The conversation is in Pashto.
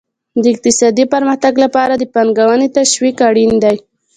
د اقتصادي پرمختګ لپاره د پانګونې تشویق اړین دی.